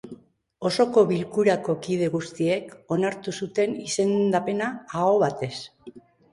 Osoko bilkurako kide guztiek onartu zuten izendapena, aho batez.